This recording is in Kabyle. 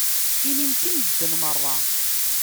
Inimt i medden meṛṛa.